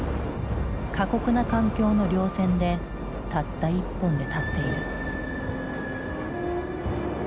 過酷な環境の稜線でたった１本で立っている。